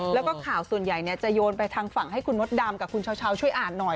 แล้วก็ข่าวส่วนใหญ่จะโยนไปทางฝั่งให้คุณมดดำกับคุณชาวช่วยอ่านหน่อย